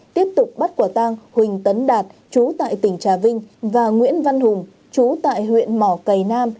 tiếp tục bắt quả tang huỳnh tấn đạt chú tại tỉnh trà vinh và nguyễn văn hùng chú tại huyện mỏ cầy nam